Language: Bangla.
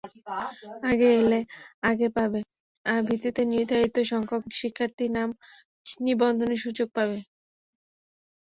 আগে এলে আগে পাবে ভিত্তিতে নির্ধারিতসংখ্যক শিক্ষার্থী নাম নিবন্ধনের সুযোগ পাবে।